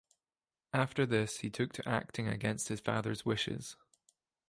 After this he took to acting against his father's wishes.